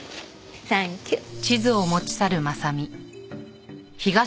サンキュー。